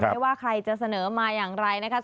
ไม่ว่าใครจะเสนอมาอย่างไรนะคะ